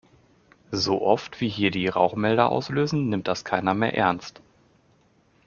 So oft, wie hier die Rauchmelder auslösen, nimmt das keiner mehr ernst.